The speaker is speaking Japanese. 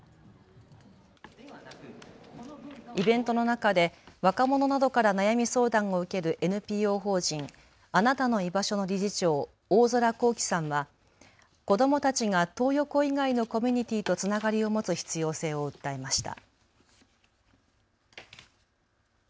イベントの中で若者などから悩み相談を受けるＮＰＯ法人あなたのいばしょの理事長、大空幸星さんは子どもたちがトー横以外のコミュニティーとつながりを持つ必要性を訴えました。